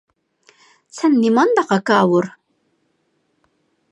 سەن نېمانداق ھاكاۋۇر!